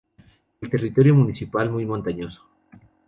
El territorio municipal muy montañoso.